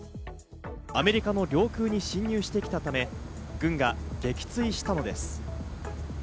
アメリカの領空に侵入してきたため、軍が撃墜したのです。